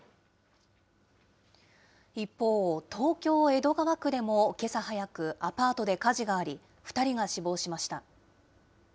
一方、東京・江戸川区でもけさ早く、アパートで火事があり、２人が死亡しました。